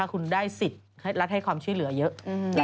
คุณได้สิทธิ์รัฐให้ความช่วยเหลือเยอะ